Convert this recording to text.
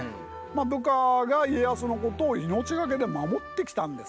部下が家康のことを命懸けで守ってきたんですね。